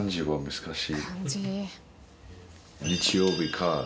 難しい。